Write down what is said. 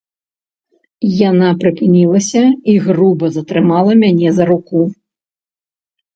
Яна прыпынілася і груба затрымала мяне за руку.